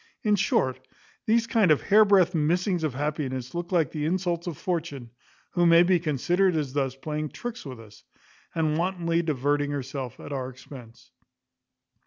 In short, these kind of hairbreadth missings of happiness look like the insults of Fortune, who may be considered as thus playing tricks with us, and wantonly diverting herself at our expense.